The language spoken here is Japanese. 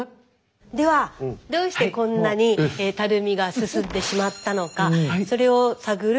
ではどうしてこんなにたるみが進んでしまったのかそれを探る